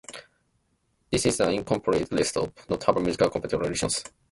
This is an incomplete list of notable Muslim comparative religionists.